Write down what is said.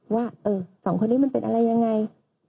ว่าสองคนนี้มันเป็นอะไรยังไง